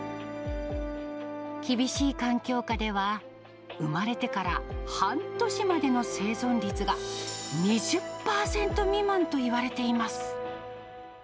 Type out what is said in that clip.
厳しい環境下では、産まれてから半年までの生存率が２０％未満といわれています。